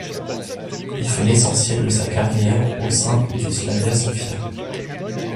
Il fait l'essentiel de sa carrière au sein du Slavia Sofia.